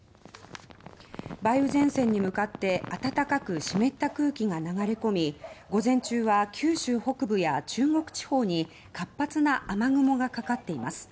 梅雨前線に向かって暖かく湿った空気が流れ込み午前中は九州北部や中国地方に活発な雨雲がかかっています。